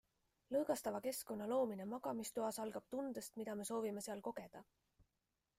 Lõõgastava keskkonna loomine magamistoas algab tundest, mida me soovime seal kogeda.